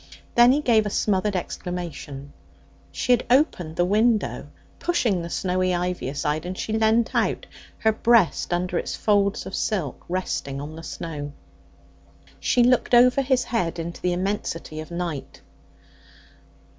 Then he gave a smothered exclamation. She had opened the window, pushing the snowy ivy aside, and she leant out, her breast under its folds of silk resting on the snow. She looked over his head into the immensity of night.